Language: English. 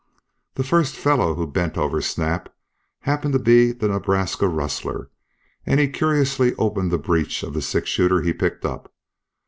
The first fellow who bent over Snap happened to be the Nebraska rustler, and he curiously opened the breech of the six shooter he picked up.